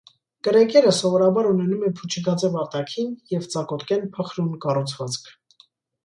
Կրեկերը սովորաբար ունենում է փուչիկաձև արտաքին և ծակոտկեն փխրուն կառուցվածք։